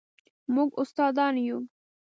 موږ استادان یو